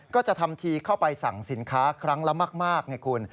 ก็จะทำทีเข้าไปสั่งสินค้าครั้งละมากไงคุณ